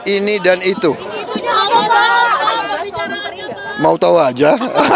ini dan itu mau tahu aja